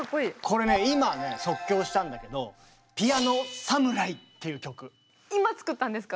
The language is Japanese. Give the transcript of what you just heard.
これね今ね即興したんだけど今作ったんですか？